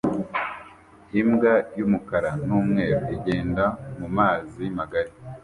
Imbwa y'umukara n'umweru igenda mu mazi magari